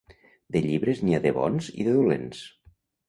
De llibres n'hi ha de bons i de dolents.